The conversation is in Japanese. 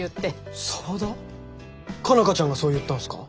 佳奈花ちゃんがそう言ったんすか？